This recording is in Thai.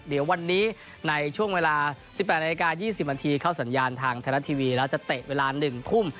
เดี๋ยววันนี้ในช่วงเวลา๑๘นาฬิกา๒๐นาทีเข้าสัญญาณทางไทยรัฐทีวีแล้วจะเตะเวลา๑ทุ่ม